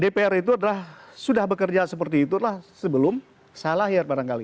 dpr itu sudah bekerja seperti itu adalah sebelum saya lahir barangkali